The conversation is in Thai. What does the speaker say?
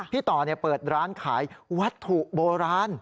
ต่อเปิดร้านขายวัตถุโบราณ